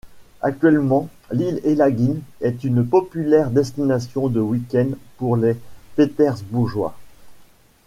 Actuellement l'Ile Elaguine est une populaire destination de week-end pour les Pétersbourgeois.